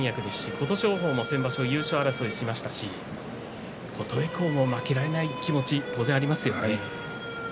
琴勝峰も先場所優勝争いしましたし琴恵光も負けられない気持ち当然ありますよね。